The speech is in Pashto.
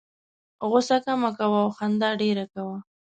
غوسه کمه کوه او خندا ډېره کوه.